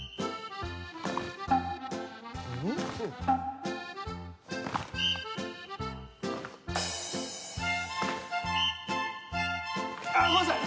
うん？あっごめんなさい。